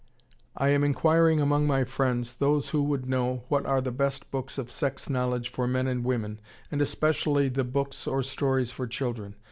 I am inquiring among my friends, those who would know, what are the best books of sex knowledge for men and women, and especially the books or stories for children.